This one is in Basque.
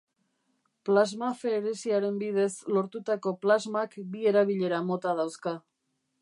Plasmaferesiaren bidez lortutako plasmak bi erabilera mota dauzka.